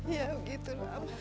ya begitu lam